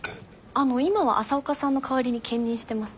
あの今は朝岡さんの代わりに兼任してます。